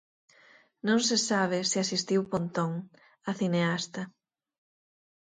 Non se sabe se asistiu Pontón, a cineasta.